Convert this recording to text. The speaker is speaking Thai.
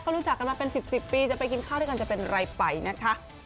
เขารู้จักกันมาเป็น๑๐ปีจะไปกินข้าวด้วยกันจะเป็นไรไปนะคะ